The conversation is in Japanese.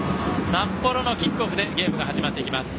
札幌のキックオフでゲームが始まっていきます。